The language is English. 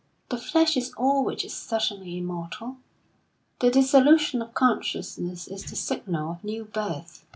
The flesh is all which is certainly immortal; the dissolution of consciousness is the signal of new birth.